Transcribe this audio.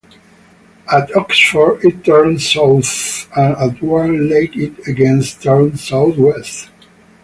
At Oxford it turns south, and at Warn Lake it again turns southwest.